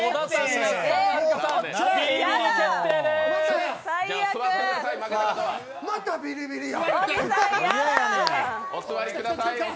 またビリビリや！